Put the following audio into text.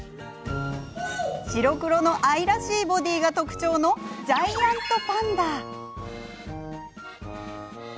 白黒の愛らしいボディーが特徴のジャイアントパンダ。